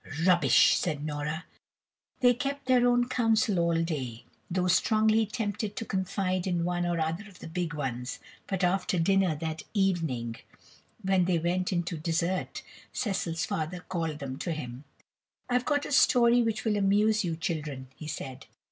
"Rubbish," said Nora. They kept their own counsel all that day, though strongly tempted to confide in one or other of the big ones. But after dinner that evening, when they went into dessert, Cecil's father called them to him. "I've got a story which will amuse you, children," he said.